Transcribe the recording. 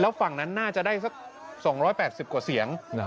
ฝั่งนั้นน่าจะได้สัก๒๘๐กว่าเสียง